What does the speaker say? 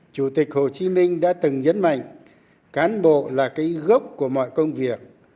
chủ tịch hồ chí minh đã từng nhấn mạnh cán bộ là cái gốc của mọi công việc